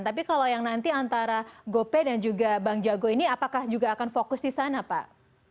tapi kalau yang nanti antara gope dan juga bang jago ini apakah juga akan fokus di sana pak